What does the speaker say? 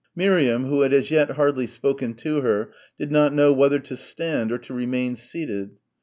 Miriam who had as yet hardly spoken to her, did not know whether to stand or to remain seated.